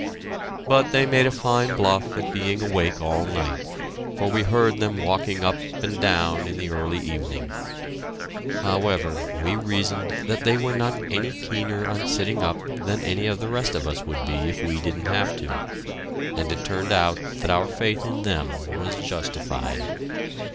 But they made a fine bluff at being awake all night, for we heard them walking up and down in the early evening. However, we reasoned that they were not any keener on sitting up than any of the rest of us would be if we didn't have to; and it turned out that our faith in them was justified.